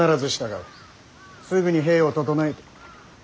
すぐに兵を調え。